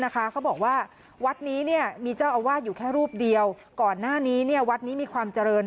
เขาบอกว่าวัดนี้มีเจ้าอาวาสอยู่แค่รูปเดียวก่อนหน้านี้วัดนี้มีความเจริญ